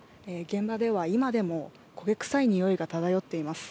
現場では今でも焦げ臭いにおいが漂っています。